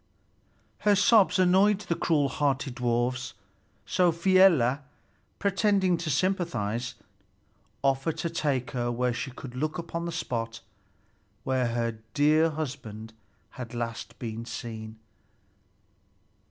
Her sobs annoyed the cruel hearted dwarfs. So Fialar, pretending to sympathize, offered to take her where she could look upon the spot where her dear husband had last been seen.